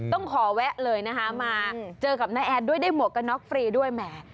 ต้องขอแวะเลยนะคะมาเจอกับน้าแอดด้วยได้หมวกกันน็อกฟรีด้วยแหม